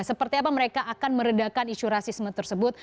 seperti apa mereka akan meredakan isu rasisme tersebut